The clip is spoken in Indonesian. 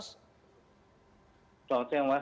selamat siang mas